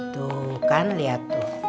tuh kan liat tuh